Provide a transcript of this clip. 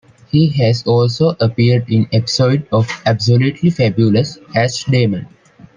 He has also appeared in episodes of "Absolutely Fabulous" as "Damon".